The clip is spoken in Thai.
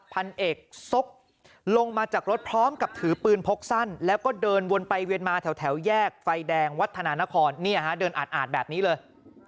พันเอกซกลงมาจากรถพร้อมกับถือปืนพกสั้นแล้วก็เดินวนไปเวียนมาแถวแยกไฟแดงวัฒนานครเนี่ยฮะเดินอาดแบบนี้เลย